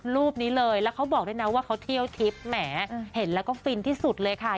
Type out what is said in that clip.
รูปนี้เลยแล้วเขาบอกด้วยนะว่าเขาเที่ยวทิพย์แหมเห็นแล้วก็ฟินที่สุดเลยค่ะ